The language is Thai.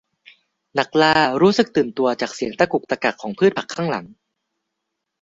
นักล่ารู้สึกตื่นตัวจากเสียงตะกุกตะกักของพืชผักข้างหลัง